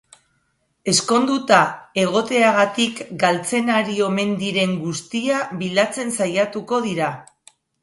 Ezkonduta egoteagatik galtzen ari omen diren guztia bilatzen saiatuko dira.